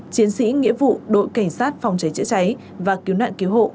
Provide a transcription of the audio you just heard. chiến sĩ nghĩa vụ đội cảnh sát phòng cháy chữa cháy và cứu nạn cứu hộ